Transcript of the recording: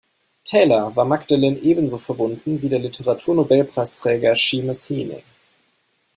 Taylor war Magdalen ebenso verbunden wie der Literatur-Nobelpreisträger Seamus Heaney.